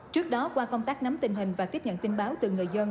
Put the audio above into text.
trước đó qua công tác nắm tình hình và tiếp nhận tin báo từ người dân